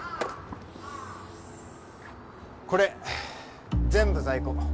これ全部在庫。